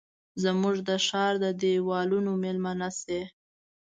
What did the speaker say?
زموږ د ښارد دیوالونو میلمنه شي